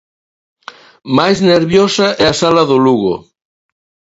Máis nerviosa é a sala do Lugo.